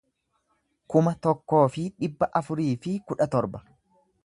kuma tokkoo fi dhibba afurii fi kudha torba